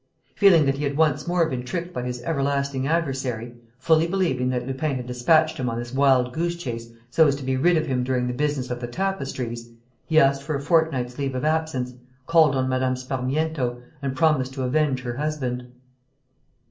Feeling that he had once more been tricked by his everlasting adversary, fully believing that Lupin had dispatched him on this wild goose chase so as to be rid of him during the business of the tapestries, he asked for a fortnight's leave of absence, called on Mme. Sparmiento and promised to avenge her husband.